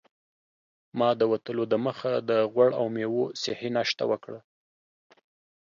ما د وتلو دمخه د غوړ او میوو صحي ناشته وکړه.